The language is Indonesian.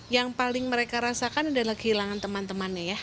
yang paling mereka rasakan adalah kehilangan teman temannya ya